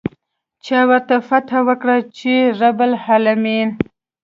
چا ورته فتحه ورکړه چې رب العلمين.